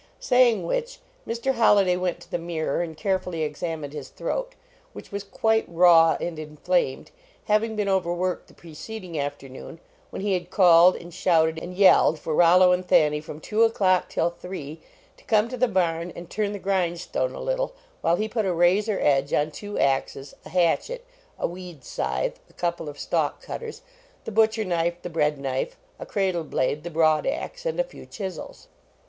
Saying which, Mr. Holliday went to the mirror and carefully examined his throat, which was quite raw and inflamed, having been overworked the preceding afternoon, when he had called, and shouted, and yelled for Rollo and Thanny from two o clock till three, to come to the barn and turn the grindstone a little, while he put a razor edge on two axes, a hatchet, a weed scythe, a couple of stalk cutters, the butcher knife, the bread knife, a cradle blade, the broad ax and a few chisels.